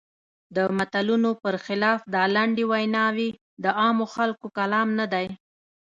د متلونو پر خلاف دا لنډې ویناوی د عامو خلکو کلام نه دی.